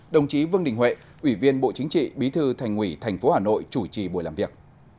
đồng chí vương đình huệ ủy viên bộ chính trị bí thư thành ủy tp hà nội chủ trì buổi làm việc